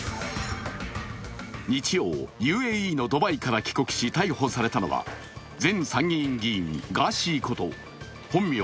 日曜、ＵＡＥのドバイから帰国し逮捕されたのは、前参議院議員、ガーシーこと本名